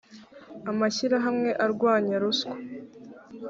amashyirahamwe arwanya ruswa